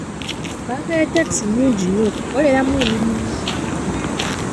Paaka ya takisi nnungi nnyo okukoleramu emirimu.